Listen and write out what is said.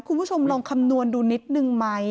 คุณผู้ชมลองคำนวณดูนิดนึงไหม